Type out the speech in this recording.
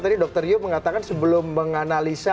tadi dokter yu mengatakan sebelum menganalisa